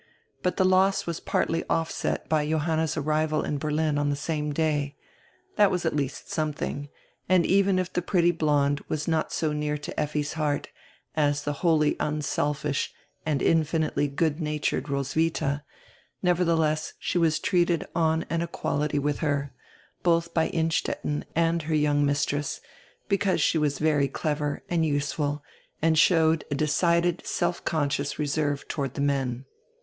But die loss was partly offset by Johanna's arrival in Ber lin on die same day. That was at least something, and even if die pretty blonde was not so near to Effi's heart as die wholly unselfish and infinitely good natured Ros witha, nevertheless she was treated on an equality widi her, both by Innstetten and her young mistress, because she was very clever and useful and showed a decided, self conscious reserve toward die men.